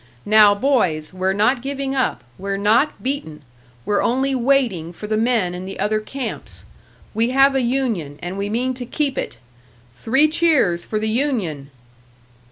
Now, boys, we're not giving up, we're not beaten, we're only waiting for the men in the other camps! We have a union, and we mean to keep it! Three cheers for the union!"